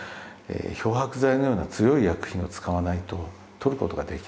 漂白剤のような強い薬品を使わないと取ることができないんですね。